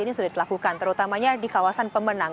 ini sudah dilakukan terutamanya di kawasan pemenang